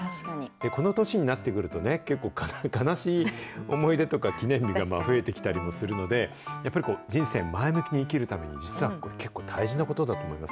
この年になってくると、結構、悲しい思い出とか、記念日が増えてきたりもするので、やっぱりこう、人生前向きに生きるために、実は結構、大事なことだと思いま